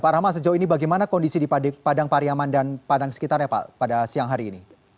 pak rahmat sejauh ini bagaimana kondisi di padang pariaman dan padang sekitarnya pak pada siang hari ini